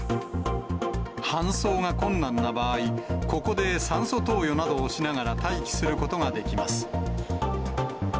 搬送が困難な場合、ここで酸素投与などをしながら待機することができます。